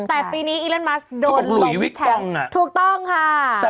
แต่ปีนี้อีโรนมัสก์โดนล้มแชมป์ถูกต้องค่ะเขาก็บุหรี่วิกกล้อง